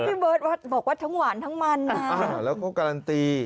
พี่เบิร์ตบอกว่าทั้งหวานทั้งมันแล้วก็การันตี